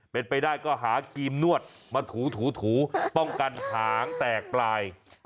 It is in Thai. เป็นไปได้ก็หาครีมนวดมาถูป้องกันหางแตกปลาย